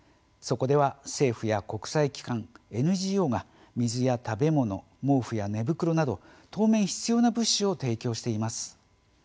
そこでは政府や国際機関ＮＧＯが、水や食べ物毛布や寝袋など当面必要な物資を提供しています。